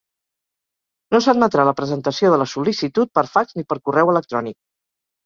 No s'admetrà la presentació de la sol·licitud per fax ni per correu electrònic.